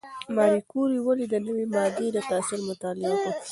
ماري کوري ولې د نوې ماده د تاثیر مطالعه وکړه؟